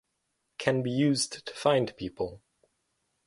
Can be used to find people